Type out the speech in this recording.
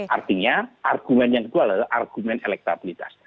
artinya argumen yang kedua adalah argumen elektabilitas